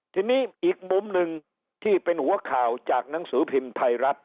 ทีนี้อีกมุมหนึ่งที่เป็นหัวข่าวจากหนังสือพิมพ์ไทยรัฐ